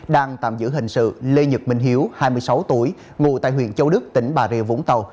đang tạm giữ hình sự lê nhật minh hiếu hai mươi sáu tuổi ngụ tại huyện châu đức tỉnh bà rịa vũng tàu